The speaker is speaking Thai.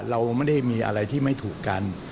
เราไม่ได้มีอะไรที่ไม่ถูกกัน